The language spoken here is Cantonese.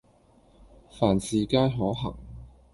凡事皆可行